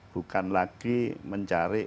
bukan lagi mencari